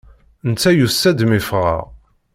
Netta yusa-d mi ffɣeɣ.